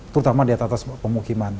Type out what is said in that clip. terutama di atas pemukiman